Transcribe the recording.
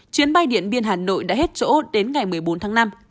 chuyến bay điện biên hà nội đã hết chỗ đến ngày một mươi bốn tháng năm